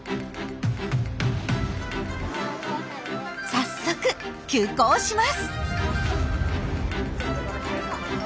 早速急行します。